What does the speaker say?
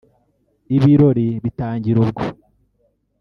ibirori bitangira ubwo